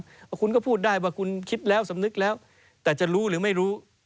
เพราะคุณก็พูดได้ว่าคุณคิดแล้วสำนึกแล้วแต่จะรู้หรือไม่รู้